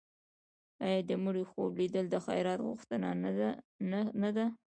آیا د مړي خوب لیدل د خیرات غوښتنه نه ده؟